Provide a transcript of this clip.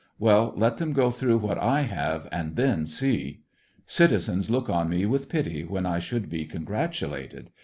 Well, let them go through what I have and then see. Citizens look on rae with pity when I should be congratulated.